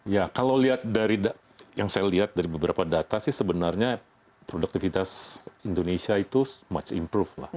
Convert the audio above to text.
ya kalau lihat dari yang saya lihat dari beberapa data sih sebenarnya produktivitas indonesia itu much improve lah